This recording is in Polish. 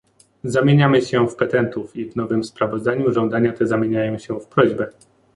Zamieniamy się w petentów i w nowym sprawozdaniu żądania te zamieniają się w prośby